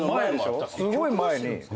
すごい前に。